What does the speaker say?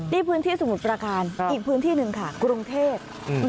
นี่พื้นที่สมุทรประการอีกพื้นที่หนึ่งค่ะกรุงเทพ